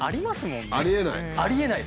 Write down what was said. ありえない